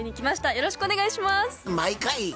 よろしくお願いします。